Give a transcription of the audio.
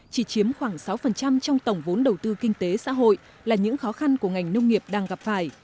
chỉ chiếm khoảng sáu trong tổng vốn đầu tư kinh tế xã hội là những khó khăn của ngành nông nghiệp đang gặp phải